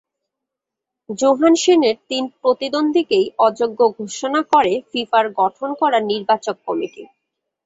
জোহানসেনের তিন প্রতিদ্বন্দ্বীকেই অযোগ্য ঘোষণা করে ফিফার গঠন করা নির্বাচক কমিটি।